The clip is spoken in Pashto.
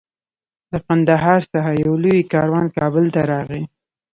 له قندهار څخه یو لوی کاروان کابل ته راغی.